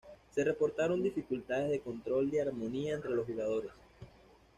Se reportaron dificultades de control de armonía entre los jugadores.